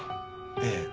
ええ。